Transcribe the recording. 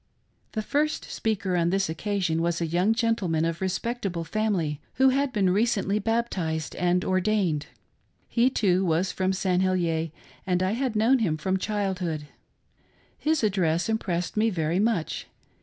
The first speaker on this occasion was a young gentleman of respectable family, who had been recently baptized and ordained. He, too, was from St. Heliers, and I had known him from childhood. His address impressed me very much.